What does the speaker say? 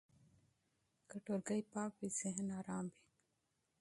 که ټولګی پاک وي، ذهن هم ارام وي.